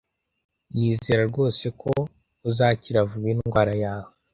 Nizera rwose ko uzakira vuba indwara yawe.